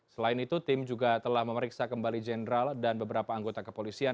selain itu tim juga telah memeriksa kembali jenderal dan beberapa anggota kepolisian